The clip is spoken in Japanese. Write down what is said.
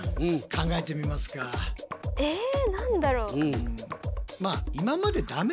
え何だろう。